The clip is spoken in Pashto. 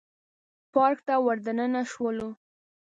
پارک ته ور دننه شولو.